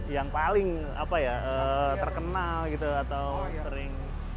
yang paling apa ya terkenal gitu atau sering